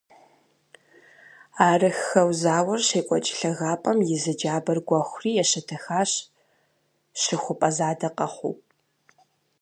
Арыххэу зауэр щекӏуэкӏ лъагапӏэм и зы джабэр гуэхури ещэтэхащ, щыхупӏэ задэ къэхъуу.